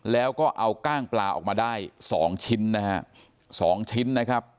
แล้วก็เอากล้างปลาออกมาได้๒ชิ้นนะครับ